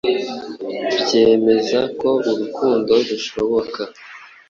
byemeza ko urukundo rushoboka